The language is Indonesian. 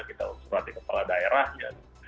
kita surati kepala daerahnya